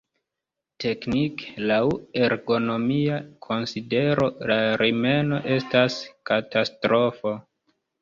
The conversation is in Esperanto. Teknike, laŭ ergonomia konsidero la rimeno estas katastrofo.